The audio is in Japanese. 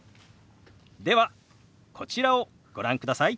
ではこちらをご覧ください。